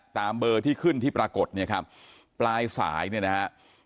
ตามเบอร์ที่ขึ้นที่ปรากฏเนี่ยครับปลายสายเนี่ยนะฮะ